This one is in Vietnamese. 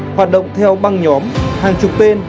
hoạt động theo băng nhóm hàng chục tên